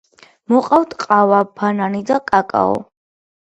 მოყავთ ყავა, ბანანი და კაკაო.